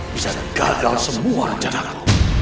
bisa gagal semua rejaku